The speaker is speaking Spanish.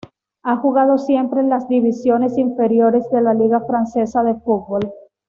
Ha jugado siempre en las divisiones inferiores de la Liga francesa de fútbol.